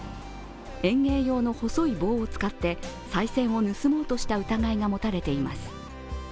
園芸用の細い棒を使ってさい銭を盗もうとした疑いが持たれています。